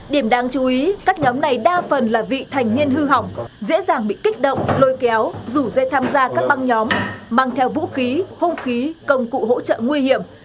điểm đáng chú ý các nhóm này đa phần là vị thành niên hư hỏng dễ dàng bị kích động lôi kéo rủ dê tham gia các băng nhóm mang theo vũ khí hung khí công cụ hỗ trợ nguy hiểm